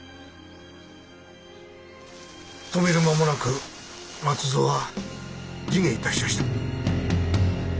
止める間もなく松蔵は自害致しやした。